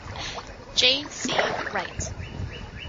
J. C. Wright.